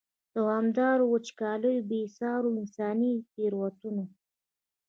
دوامدارو وچکالیو، بې سارو انساني تېروتنو.